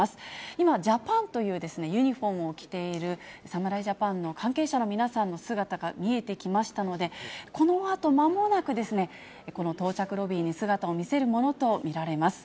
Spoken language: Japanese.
今、ジャパンというユニホームを着ている、侍ジャパンの関係者の皆さんの姿が見えてきましたので、このあと、まもなくですね、この到着ロビーに姿を見せるものと見られます。